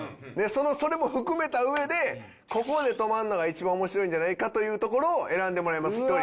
それも含めた上でここで止まるのが一番面白いんじゃないかという所を選んでもらいます１人。